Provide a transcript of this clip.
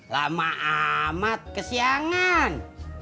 lama amat kesiangan